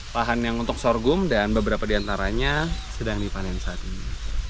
lahan yang untuk sorghum dan beberapa diantaranya sedang dipanen saat ini